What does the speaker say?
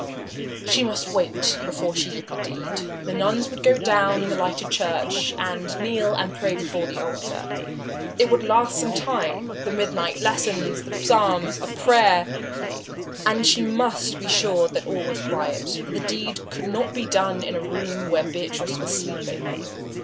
She must wait before she did the deed. The nuns would go down into the lighted church, and kneel and pray before the altar. It would last some time, the midnight lessons, the psalms, the prayers and she must be sure that all was quiet, for the deed could not be done in the room where Beatrice was sleeping.